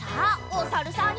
おさるさん。